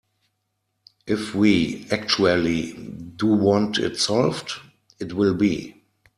If we actually do want it solved, it will be.